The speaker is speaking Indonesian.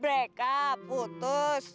break up putus